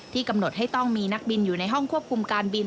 กำหนดให้ต้องมีนักบินอยู่ในห้องควบคุมการบิน